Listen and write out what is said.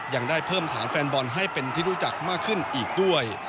ยังได้เพิ่มฐานแฟนบอลให้เป็นที่รู้จักมากขึ้นอีกด้วย